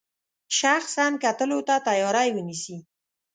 شخصا کتلو ته تیاری ونیسي.